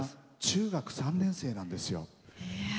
中学３年生なんですよ。